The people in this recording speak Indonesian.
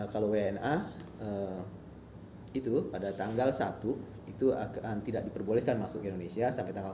kalau wna itu pada tanggal satu itu tidak diperbolehkan masuk ke indonesia